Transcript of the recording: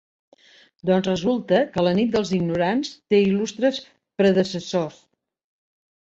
Doncs resulta que "La Nit dels Ignorants" té il·lustres predecessors.